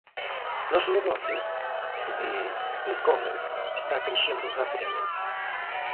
Nosso negócio de e-commerce está crescendo rapidamente.